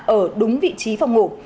ở đúng vị trí phòng ngủ